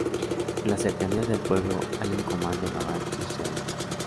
En las cercanías del pueblo hay un comando naval israelí.